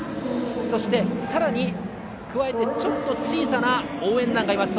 そして、さらに加えてちょっと小さな応援団がいます。